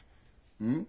うん？